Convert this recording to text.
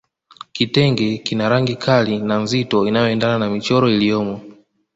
Kitenge kina rangi kali na nzito inayoendana na michoro iliyomo